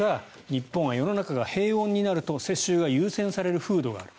日本は世の中が平穏になると世襲が優先される風土がある。